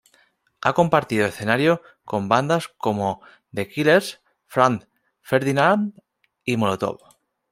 Ha compartido escenario con bandas como The Killers, Franz Ferdinand y Molotov.